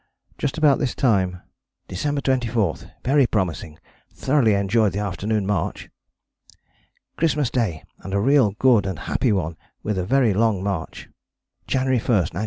Just about this time: "December 24. Very promising, thoroughly enjoyed the afternoon march": "Christmas Day, and a real good and happy one with a very long march": "January 1, 1912.